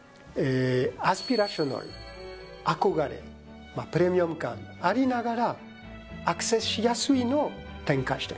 アスピレーショナル憧れプレミアム感ありながらアクセスしやすいのを展開してます。